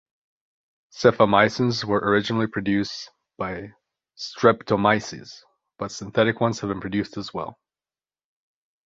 Cephamycins were originally produced by "Streptomyces", but synthetic ones have been produced as well.